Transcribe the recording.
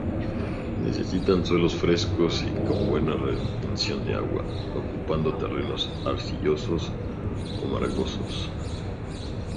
Necesitan suelos frescos y con buena retención de agua, ocupando terrenos arcillosos o margosos.